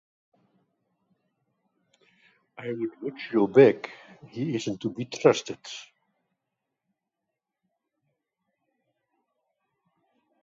I would watch your back, he isn’t to be trusted.